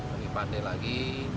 lebih pandai lagi